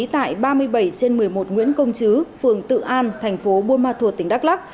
tại ba mươi bảy trên một mươi một nguyễn công chứ phường tự an thành phố buôn ma thuột tỉnh đắk lắc